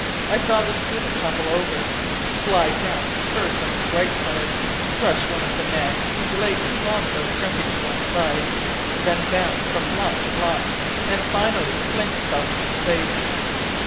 I saw the schooner topple over, slide down first on its left side, crush one of the men who delayed too long about jumping to one side, then bound from block to block, and finally fling itself into space.